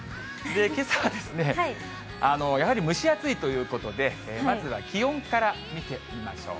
けさは、やはり蒸し暑いということで、まずは気温から見てみましょう。